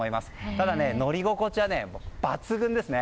ただ、乗り心地は抜群ですね。